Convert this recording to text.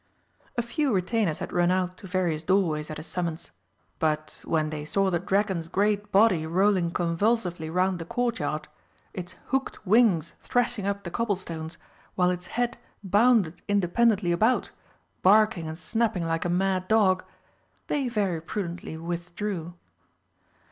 A few retainers had run out to various doorways at his summons, but when they saw the dragon's great body rolling convulsively round the Courtyard, its hooked wings thrashing up the cobblestones, while its head bounded independently about, barking and snapping like a mad dog, they very prudently withdrew.